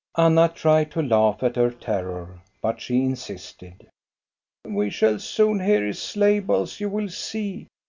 Anna tried to laugh at her terror, but she insisted. " We shall soon hear his sleigh bells, you will see.